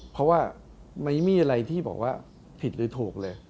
เพราะว่าไม่มีอะไรที่บอกว่าผิดหรือถูกเลย